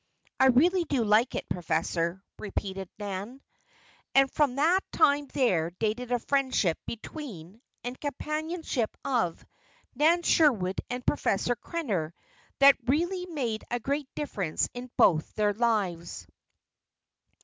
"I really do like it, Professor," repeated Nan. And from that time there dated a friendship between, and companionship of, Nan Sherwood and Professor Krenner that really made a great difference in both their lives.